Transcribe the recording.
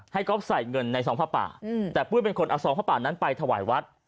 ให้ก๊อฟใส่เงินใน๒ภาพป่าแต่ปุ้ยเป็นคนเอา๒ภาพป่านั้นไปถวายวัด